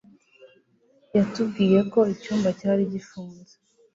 yatubwiye ko icyumba cyari gifunze.